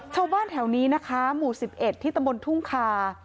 ชาวบ้านแถวนี้นะคะหมู่๑๑ที่ตำบลทุ่งคา